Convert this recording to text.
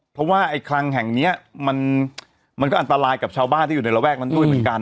เพราะว่าไอ้คลังแห่งนี้มันก็อันตรายกับชาวบ้านที่อยู่ในระแวกนั้นด้วยเหมือนกัน